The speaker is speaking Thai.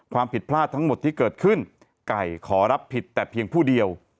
ความผิดพลาดทั้งหมดที่เกิดขึ้นไก่ขอรับผิดแต่เพียงผู้เดียว